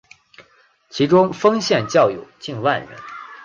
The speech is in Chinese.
其中丰县教友近万人。